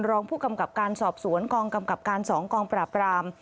รองผู้กำกับการสอบสวนกองกำกับการ๒กองปราบราม